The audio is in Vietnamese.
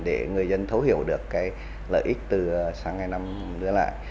để người dân thấu hiểu được lợi ích từ xăng e năm nữa lại